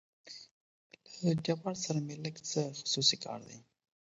له جبار سره مې لېږ څه خصوصي کار دى.